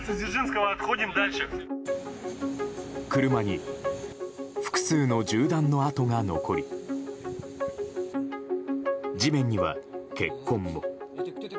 車に複数の銃弾の跡が残り地面には、血痕も。